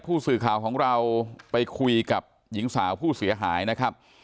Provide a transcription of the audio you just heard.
ผู้สื่อข่าวของเราไปคุยกับหญิงสาวผู้เสียหายนะครับ